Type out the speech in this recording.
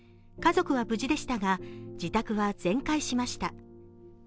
家族は無事でしたが自宅は全壊しました。